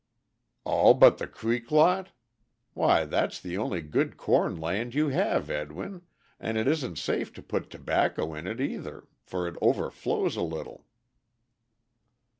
"All but the creek lot? Why that's the only good corn land you have, Edwin, and it isn't safe to put tobacco in it either, for it overflows a little."